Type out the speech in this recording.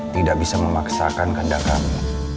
tidak bisa memaksakan keadaan kami